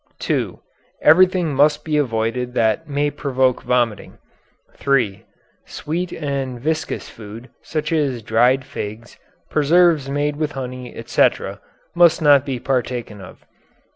(2) Everything must be avoided that may provoke vomiting. (3) Sweet and viscous food such as dried figs, preserves made with honey, etc. must not be partaken of.